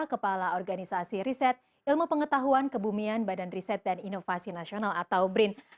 kepala organisasi riset ilmu pengetahuan kebumian badan riset dan inovasi nasional atau brin